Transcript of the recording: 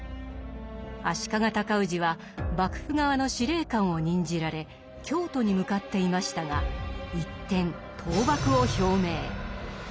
足利高氏は幕府側の司令官を任じられ京都に向かっていましたが一転討幕を表明。